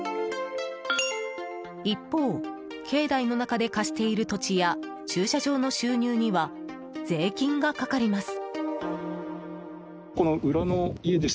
一方、境内の中で貸している土地や駐車場の収入には税金がかかります。